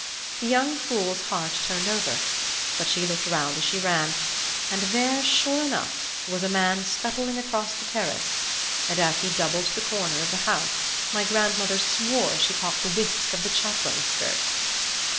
The young fool's heart turned over, but she looked round as she ran, and there, sure enough, was a man scuttling across the terrace; and as he doubled the corner of the house my grandmother swore she caught the whisk of the chaplain's skirts.